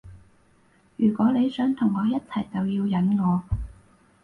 如果你想同我一齊就要忍我